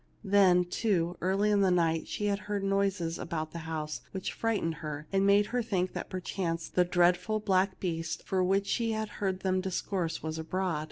Then, too, early in the night, she heard noises about the house which frightened her, and made her think that perchance the dreadful black beast of which she had heard them discourse was abroad.